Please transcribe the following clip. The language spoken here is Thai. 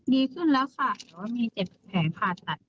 ดีขึ้นแล้วค่ะแต่ว่ามี๗แผลผ่าตัด